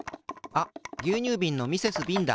あぎゅうにゅうびんのミセス・ビンだ。